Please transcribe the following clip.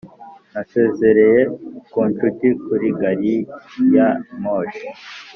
nasezeye ku nshuti kuri gari ya moshi.